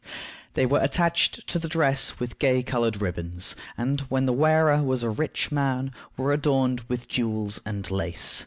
They were attached to the dress with gay colored ribbons, and, when the wearer was a rich man, were adorned with jewels and lace.